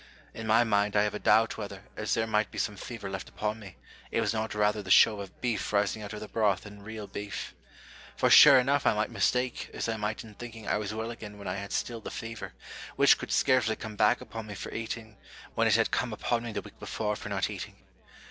In my mind, I have a doubt whether, as there might be some fever left upon me, it was not rather the show of beef rising out of the broth than real beef. For sure enough I might mistake, as I might in thinking I was well again when I had still the fever \ which could scarcely come back upon me for eating, when it had come upon me the week before for not eating.